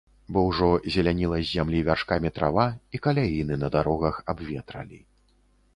Бо ўжо зеляніла з зямлі вяршкамі трава, і каляіны на дарогах абветралі.